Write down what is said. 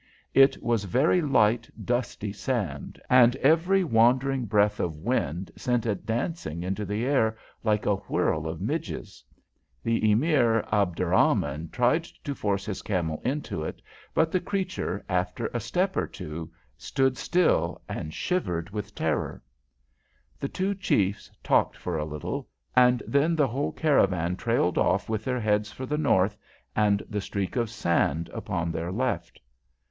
It was very light, dusty sand, and every wandering breath of wind sent it dancing into the air like a whirl of midges. The Emir Abderrahman tried to force his camel into it, but the creature, after a step or two, stood still and shivered with terror. [Illustration: The creature, stood still p171] The two chiefs talked for a little, and then the whole caravan trailed off with their heads for the north, and the streak of sand upon their left.